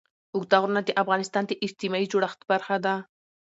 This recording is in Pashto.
اوږده غرونه د افغانستان د اجتماعي جوړښت برخه ده.